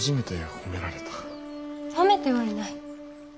褒めてはいない。